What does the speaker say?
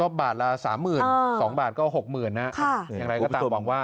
ก็บาทละสามหมื่นสองบาทก็หกหมื่นนะค่ะอย่างไรก็ตามหวังว่า